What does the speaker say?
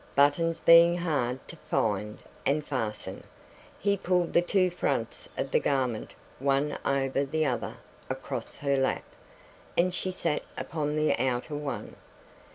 Buttons being hard to find and fasten, he pulled the two fronts of the garment one over the other across her lap, and she sat upon the outer one.